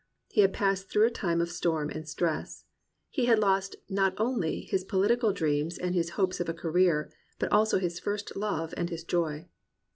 He had passed through a time of storm and stress. He had lost not only his polit ical dreams and his hopes of a career, but also his first love and his joy.